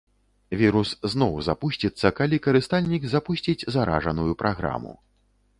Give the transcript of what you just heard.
Вірус зноў запусціцца, калі карыстальнік запусціць заражаную праграму.